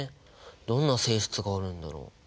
どんな性質があるんだろう？